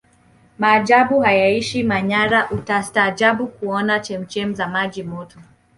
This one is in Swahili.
majaabu hayaishi manyara utastaajabu kuona chemchem za maji Moto